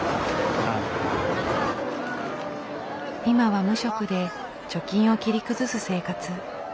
今は無職で貯金を切り崩す生活。